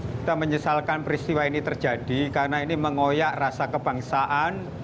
kita menyesalkan peristiwa ini terjadi karena ini mengoyak rasa kebangsaan